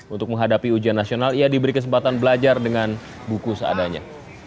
untuk menghadapi ujian nasional ia diberi kesempatan belajar dengan buku seadanya